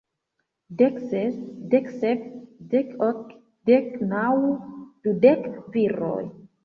Dek ses, dek sep, dek ok, dek naŭ, dudek viroj!